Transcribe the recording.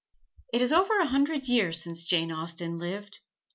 It is over a hundred years since Jane Austen lived.